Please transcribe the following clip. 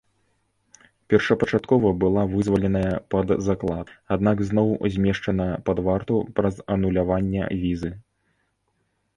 Першапачаткова была вызваленая пад заклад, аднак зноў змешчана пад варту праз ануляванне візы.